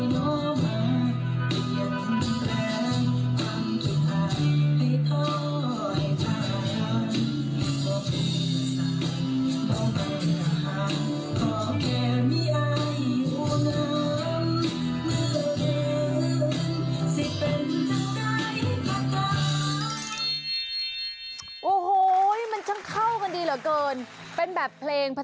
น้องเคยว่าว่าว่าหาลมมีเชียร์ผิดเป็นบุหรี่